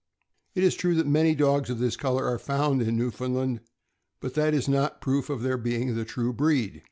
It is true that many dogs of this color are found in Newfoundland, but that is not proof of their being of the true breed.